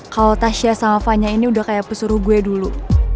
kalau tasya sama fanya ini udah kayak pesuruh gue dulu